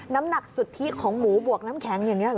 น้ำหนักสุทธิของหมูบวกน้ำแข็งอย่างนี้เหรอ